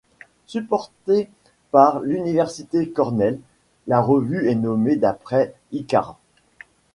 Supportée par l'université Cornell, la revue est nommée d'après Icare.